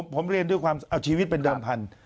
ผมเรียนด้วยความเอาชีวิตเป็นเดิมพันธุ